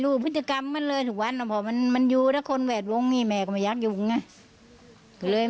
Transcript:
ภาพสุดท้ายของเพื่อนของเขาต้องใช้ในกล่องเพื่อนของเขาอย่างแน่นอน